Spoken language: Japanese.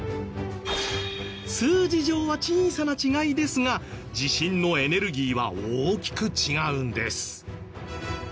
数字上は小さな違いですが地震のエネルギーは大きく違うんです。